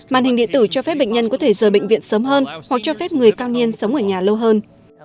màn hình điện tử cho phép bệnh nhân có thể rời bệnh viện sớm hơn hoặc cho phép người cao niên sống ở nhà lâu hơn